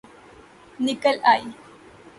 نکل آئ